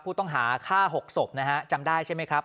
ผู้ต้องหาฆ่า๖ศพนะฮะจำได้ใช่ไหมครับ